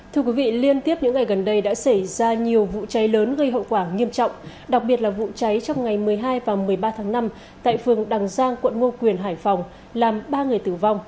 thưa quý vị liên tiếp những ngày gần đây đã xảy ra nhiều vụ cháy lớn gây hậu quả nghiêm trọng đặc biệt là vụ cháy trong ngày một mươi hai và một mươi ba tháng năm tại phường đằng giang quận ngo quyền hải phòng làm ba người tử vong